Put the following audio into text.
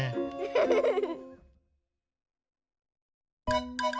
フフフフ。